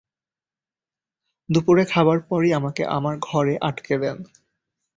দুপুরে খাবার পরই আমাকে আমার ঘরে আটকে দেন।